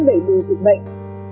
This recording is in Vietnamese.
về đời dịch bệnh